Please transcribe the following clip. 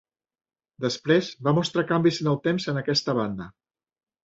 Després va mostrar canvis en el temps en aquesta banda.